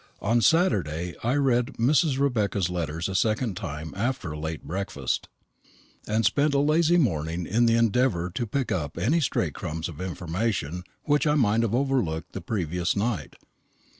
On Saturday I read Mrs. Rebecca's letters a second time after a late breakfast, and spent a lazy morning in the endeavour to pick up any stray crumbs of information which I might have overlooked the previous night.